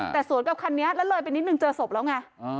แต่สวนกับคันนี้แล้วเลยไปนิดนึงเจอศพแล้วไง